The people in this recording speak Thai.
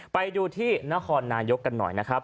ไปดูที่นครนายกกันหน่อยนะครับ